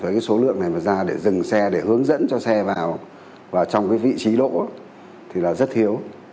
với cái số lượng này mà ra để dừng xe để hướng dẫn cho xe vào trong cái vị trí lỗ thì là rất thiếu